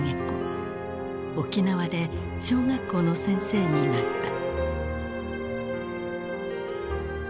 沖縄で小学校の先生になった。